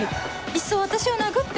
いっそ私を殴って